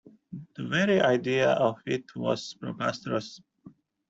The very idea of it was preposterous.